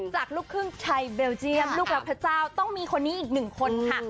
จากลูกครึ่งไทยเบลเจียมลูกรักพระเจ้าต้องมีคนนี้อีกหนึ่งคนค่ะ